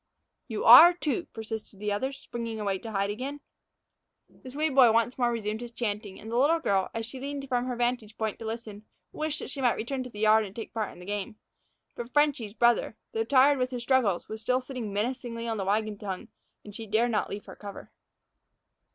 "You are, too," persisted the other, springing away to hide again. The Swede boy once more resumed his chanting, and the little girl, as she leaned from her vantage point to listen, wished that she might return to the yard and take part in the game. But "Frenchy's" brother, though tired with his struggles, was still sitting menacingly on the wagon tongue, and she dared not leave her cover.